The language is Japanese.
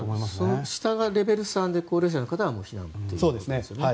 その下がレベル３で高齢者の方が避難ということですね。